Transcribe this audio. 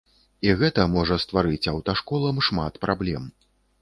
І гэта можа стварыць аўташколам шмат праблем.